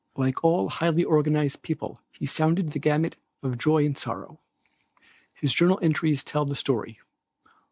Like all highly organized people he sounded the gamut of joy and sorrow. His journal entries tell the story.